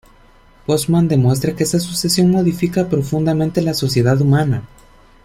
Postman demuestra que esa sucesión modifica profundamente la sociedad humana.